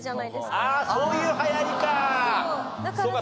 ああそういう流行りか。